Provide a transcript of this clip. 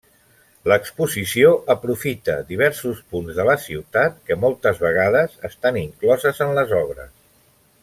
L'exposició aprofita diversos punts de la ciutat que moltes vegades estan incloses en les obres.